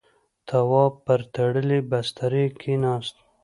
تواب پر تړلی بسترې کېناست.